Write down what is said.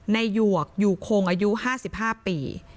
หยวกอยู่คงอายุ๕๕ปี